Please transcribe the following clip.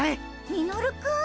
ミノルくん？